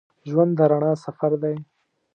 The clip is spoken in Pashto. ژوند د رڼا سفر دی.